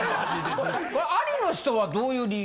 アリの人はどういう理由？